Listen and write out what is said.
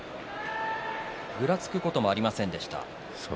ぐらつくこともありませんでした。